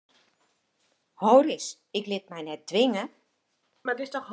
Ho ris, ik lit my net twinge!